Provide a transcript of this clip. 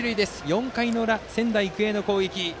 ４回の裏、仙台育英の攻撃。